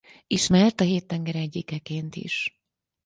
Ismert a hét tenger egyikeként is.